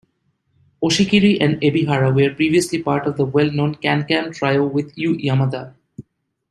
Oshikiri and Ebihara were previously part of the well-known CanCam trio with Yu Yamada.